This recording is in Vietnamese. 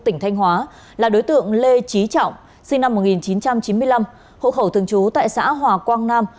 tỉnh thanh hóa là đối tượng lê trí trọng sinh năm một nghìn chín trăm chín mươi năm hộ khẩu thường trú tại xã hòa quang nam